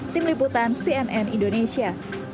tim liputan cnn indonesia